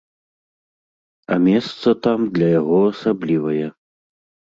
А месца там для яго асаблівае.